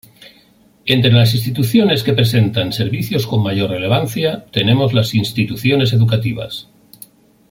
Entre las instituciones que presentan servicios con mayor relevancia tenemos las instituciones educativas.